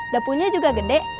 dapunya juga gede